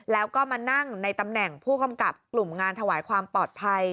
แล้วก็มานั่งในตำแหน่งผู้กำกับกลุ่มงานถวายความปลอดภัย